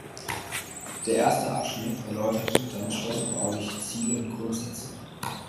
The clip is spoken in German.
Der erste Abschnitt erläuterte dann städtebauliche Ziele und Grundsätze.